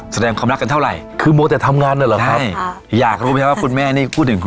เขาขึ้นมาได้เพราะอาหารอาหารซีฟู้ดนะ